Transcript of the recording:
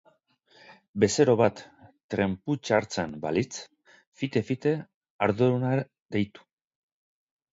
Bezero bat trenputxartzen balitz, fite-fite arduraduna deitu.